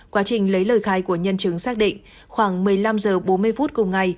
quá trình lấy lời khai của nhân chứng xác định khoảng một mươi năm h bốn mươi phút cùng ngày